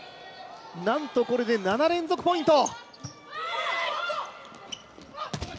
なんとこれで７連続ポイント。